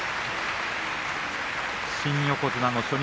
新横綱、初日。